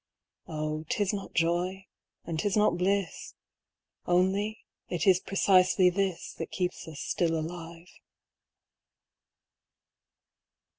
O, 'tb not joy, and 'tis not bliss. Only it is precisely this That keeps us still alive.